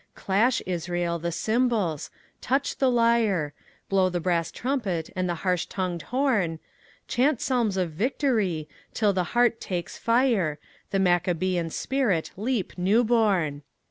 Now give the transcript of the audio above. Clash, Israel, the cymbals, touch the lyre, Blow the brass trumpet and the harsh tongued horn; Chant psalms of victory till the heart takes fire, The Maccabean spirit leap new born.